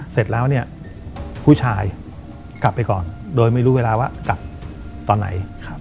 เสร็จแล้วเนี่ยผู้ชายกลับไปก่อนโดยไม่รู้เวลาว่ากลับตอนไหน